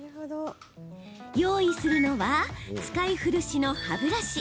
用意するのは使い古しの歯ブラシ。